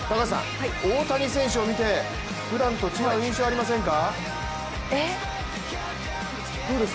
大谷選手を見て、ふだんと違う印象ありませんか？